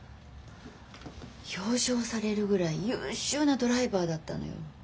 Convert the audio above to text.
表彰されるぐらい優秀なドライバーだったのよ。